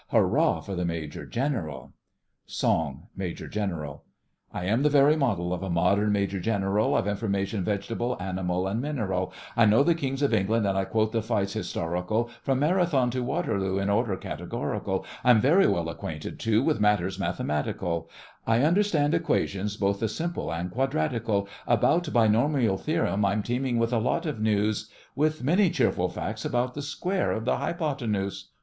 Hurrah for the Major General! SONG—MAJOR GENERAL I am the very model of a modern Major General, I've information vegetable, animal, and mineral, I know the kings of England, and I quote the fights historical From Marathon to Waterloo, in order categorical; I'm very well acquainted, too, with matters mathematical, I understand equations, both the simple and quadratical, About binomial theorem I'm teeming with a lot o' news, With many cheerful facts about the square of the hypotenuse.